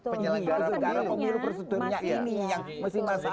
penyelenggaraan negara memiliki prosedurnya ini yang masih masalah